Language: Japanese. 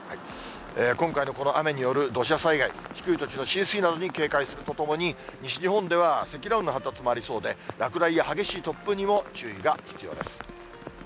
今回のこの雨による土砂災害、低い土地の浸水などに警戒するとともに、西日本では積乱雲の発達もありそうで、落雷や激しい突風にも注意が必要です。